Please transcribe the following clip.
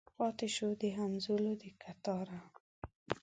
پاته شوي د همزولو د کتاره